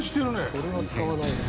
「それは使わないな」